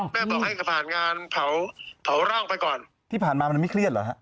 บอกให้ผ่านงานเผาร่างไปก่อนที่ผ่านมามันไม่เครียดเหรอฮะ